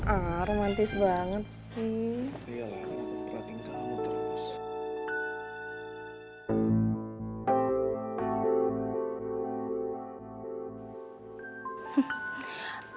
ah romantis banget sih